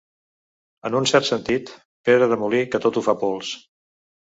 En un cert sentit, pedra de molí que tot ho fa pols.